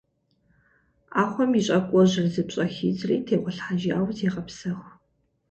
Ӏэхъуэм и щӏакӏуэжьыр зыпщӏэхидзри тегъуэлъхьэжауэ зегъэпсэху.